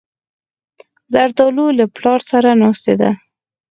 زردالو له پلار سره ناستې ده.